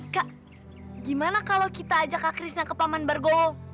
kak gimana kalau kita ajak kak krisna ke paman bargol